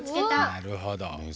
なるほど。